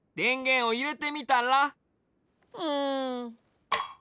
うん。